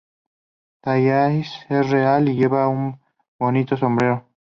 Tallahassee es real y lleva un bonito sombrero.